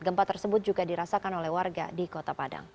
gempa tersebut juga dirasakan oleh warga di kota padang